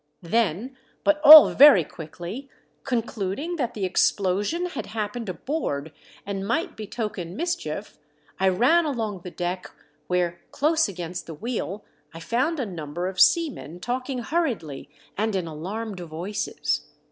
Then, but all very quickly, concluding that the explosion had happened aboard and might betoken mischief, I ran along the deck where, close against the vi^heel, I found a number of seamen talking hurriedly and in alarmed voices.